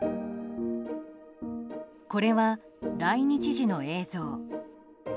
これは、来日時の映像。